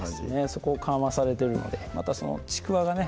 そこ緩和されてるのでまたそのちくわがね